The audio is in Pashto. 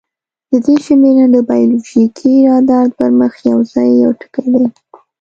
د دې شمېرنه د بایولوژیکي رادار پر مخ یواځې یو ټکی دی.